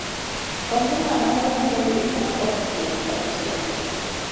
Onge ngama ne obiro lima od thieth kata achiel